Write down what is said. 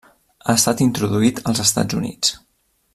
Ha estat introduït als Estats Units.